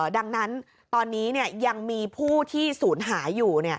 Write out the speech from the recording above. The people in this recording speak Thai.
ดังนั้นตอนนี้ยังมีผู้ที่ศูนย์หายอยู่